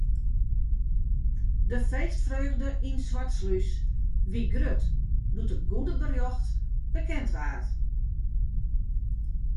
De feestfreugde yn Swartslús wie grut doe't it goede berjocht bekend waard.